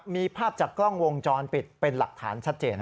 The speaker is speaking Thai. มีภาพจากกล้องวงจรปิดเป็นหลักฐานชัดเจน